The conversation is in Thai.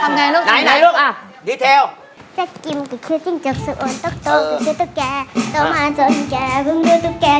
ทำอย่างไรลูกทำอย่างไรลูก